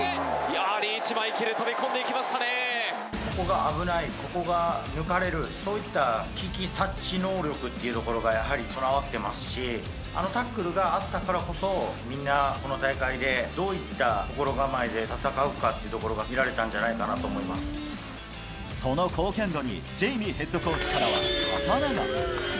やはりリーチマイケル、飛び込んここが危ない、ここが抜かれる、そういった危機察知能力っていうところがやはり備わってますし、あのタックルがあったからこそ、みんな、この大会で、どういった心構えで戦うかっていうところが見られたんじゃないかその貢献度に、ジェイミーヘッドコーチからは刀が。